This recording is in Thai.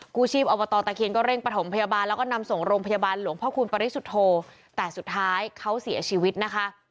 กู้ชีพอบตตะเคียนก็เร่งประถมพยาบาลแล้วก็นำส่งโรงพยาบาลหลวงพ่อคูณปริสุทธโธแต่สุดท้ายเขาเสียชีวิตนะคะ